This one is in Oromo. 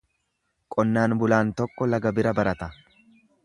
Qonnaan bulaan tokko laga bira barata.